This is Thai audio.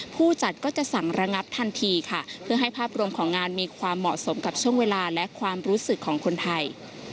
ผู้จัดก็จะสั่งระงับทันทีค่ะเพื่อให้ภาพรวมของงานมีความเหมาะสมกับช่วงเวลาและความรู้สึกของคนไทย